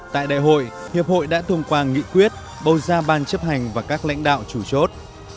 tại đại hội hiệp hội đã thông qua nghị quyết bầu ra ban chấp hành và các lãnh đạo chủ chốt